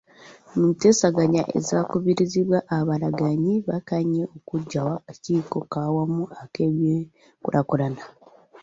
Mu nteeseganya ezaakubirizibwa abalagaanyi bakkaanya okugunjaawo akakiiko ak'awamu ak'ebyenkulaakulana.